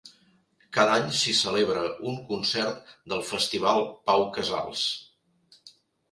Cada any s'hi celebra un concert del Festival Pau Casals.